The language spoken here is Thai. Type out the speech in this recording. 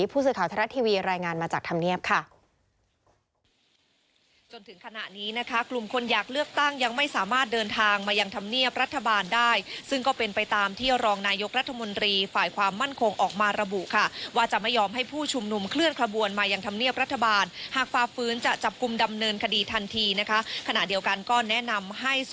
ผู้สื่อข่าวทรัฐทีวีรายงานมาจากธรรมเนียบค่ะ